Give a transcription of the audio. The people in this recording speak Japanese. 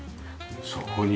そこに。